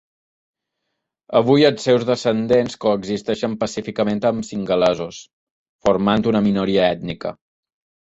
Avui els seus descendents coexisteixen pacíficament amb singalesos, formant una minoria ètnica.